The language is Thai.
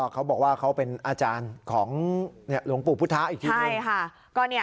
เขาบอกว่าเขาเป็นอาจารย์ของหลวงปู่พุทธะอีกทีหนึ่ง